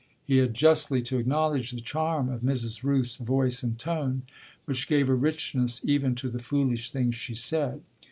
He had justly to acknowledge the charm of Mrs. Rooth's voice and tone, which gave a richness even to the foolish things she said.